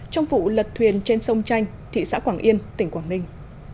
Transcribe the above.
trong vụ lật thuyền trên sông chanh thị xã quảng yên tỉnh quảng ninh